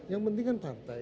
yang penting kan partai